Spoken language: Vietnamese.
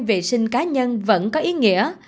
vệ sinh cá nhân vẫn có ý nghĩa